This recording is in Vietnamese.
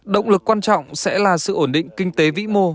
động lực quan trọng sẽ là sự ổn định kinh tế vĩ mô